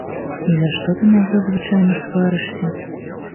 І за што ты на яго звычайна сварышся?